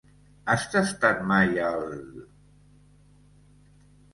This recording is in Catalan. Has tastat mai el...?